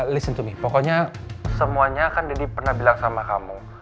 list and to me pokoknya semuanya kan deddy pernah bilang sama kamu